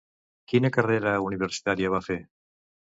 Quina carrera universitària va fer?